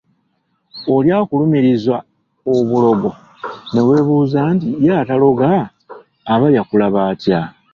Oli akulumiriza obulogo ne weebuuza nti ye ataloga aba yakulaba atya.